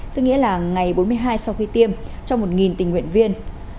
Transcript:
tức nghĩa là ngày bốn mươi hai sau khi tiêm trong một tình nguyện viên